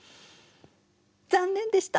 残念でした！